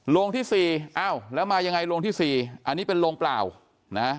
โรงที่สี่อ้าวแล้วมายังไงโรงที่สี่อันนี้เป็นโรงเปล่านะ